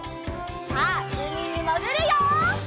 さあうみにもぐるよ！